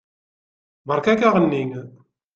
Beṛka-k aɣenni.